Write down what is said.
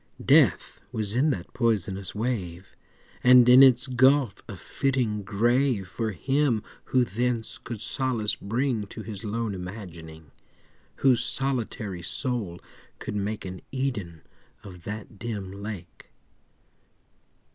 Death was in that poisonous wave, And in its gulf a fitting grave For him who thence could solace bring To his lone imagining— Whose solitary soul could make An Eden of that dim lake.